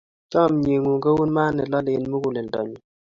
Chomye ng'ung' kou maat ne lalei eng' muguleldanyu.